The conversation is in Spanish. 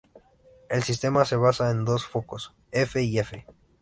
El sistema se basa en dos focos "F" y "F".